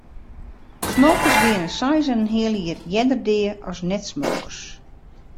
Smokers geane seis en in heal jier earder dea as net-smokers.